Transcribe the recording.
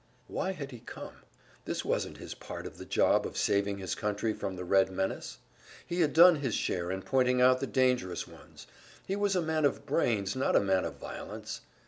Why had he come? This wasn't his part of the job of saving his country from the Red menace. He had done his share in pointing out the dangerous ones; he was a man of brains, not a man of violence.